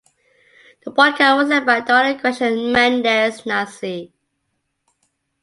The boycott was led by Dona Gracia Mendes Nasi.